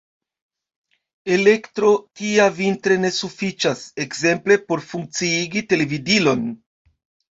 Elektro tia vintre ne sufiĉas ekzemple por funkciigi televidilon.